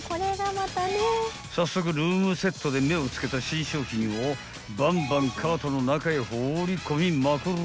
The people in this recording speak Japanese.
［早速ルームセットで目を付けた新商品をバンバンカートの中へ放り込みまくる］